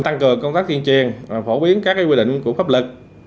tăng cường công tác tuyên truyền phổ biến các quy định của pháp lực